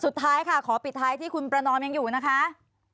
สุดท้ายค่ะขอปิดท้ายที่คุณประนอมยังอยู่นะคะ